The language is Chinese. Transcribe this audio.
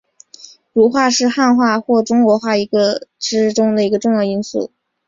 儒化是汉化或中国化之中的一个重要因素。